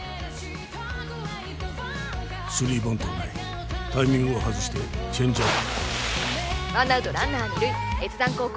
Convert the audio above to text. スリーバントはないタイミングを外してチェンジアップワンナウトランナー二塁越山高校